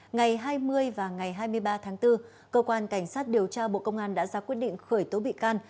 ngày hai mươi và ngày hai mươi ba tháng bốn cơ quan cảnh sát điều tra bộ công an đã ra quyết định khởi tố bị can